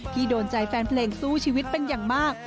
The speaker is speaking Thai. โดนใจแฟนเพลงสู้ชีวิตเป็นอย่างมาก